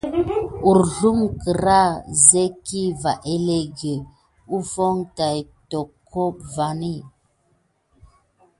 Hurzlum kécra ziki vaŋ élinkə kufon ɗe tokgue vin.